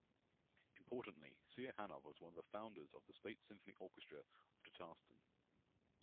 Importantly, Cihanov was one of the founders of the State Symphony Orchestra of Tatarstan.